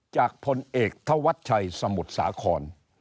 จากพลเอกเทาะวัดชัยสมุดสาขอน